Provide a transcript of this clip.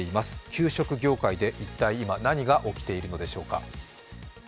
給食業界で一体今、何が起きているのでしょうか。